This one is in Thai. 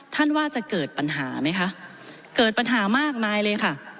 ท่านว่าจะเกิดปัญหาไหมคะเกิดปัญหามากมายเลยค่ะ